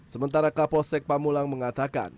sementara kapolsek pamulang mengatakan